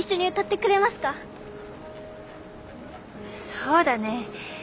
そうだね。